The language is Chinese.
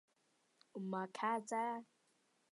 砂石狸藻为狸藻属小型一年生陆生食虫植物。